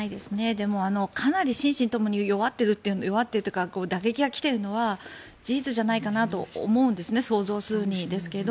でも、かなり心身ともに弱っているというか打撃が来ているのは事実じゃないかなと思うんです想像するにですが。